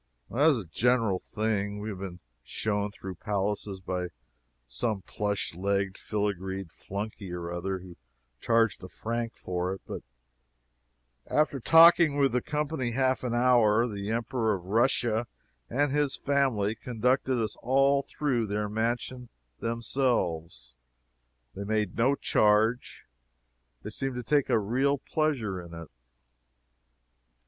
As a general thing, we have been shown through palaces by some plush legged filagreed flunkey or other, who charged a franc for it; but after talking with the company half an hour, the Emperor of Russia and his family conducted us all through their mansion themselves. They made no charge. They seemed to take a real pleasure in it.